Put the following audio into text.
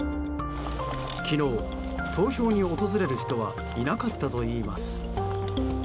昨日、投票に訪れる人はいなかったといいます。